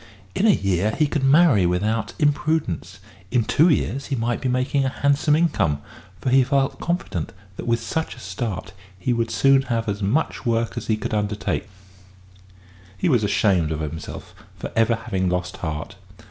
In a year he could marry without imprudence; in two or three years he might be making a handsome income, for he felt confident that, with such a start, he would soon have as much work as he could undertake. He was ashamed of himself for ever having lost heart.